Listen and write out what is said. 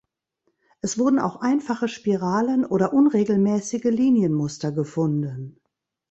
Es wurden auch einfache Spiralen oder unregelmäßige Linienmuster gefunden.